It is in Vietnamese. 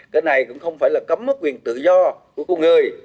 cái này cũng không phải là cấm mất quyền tự do của người